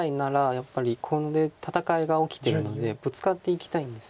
やっぱり戦いが起きてるのでブツカっていきたいんですが。